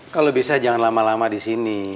kalau bisa jangan lama lama disini